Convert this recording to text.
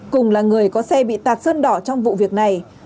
cùng là người có xe bị tạt sơn đỏ trong vụ việc này